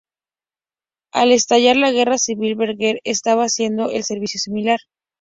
Al estallar la Guerra Civil Berenguer estaba haciendo el servicio militar.